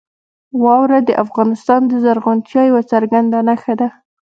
واوره د افغانستان د زرغونتیا یوه څرګنده نښه ده.